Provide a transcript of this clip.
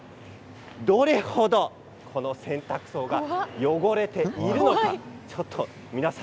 どれ程この洗濯槽は汚れているのか。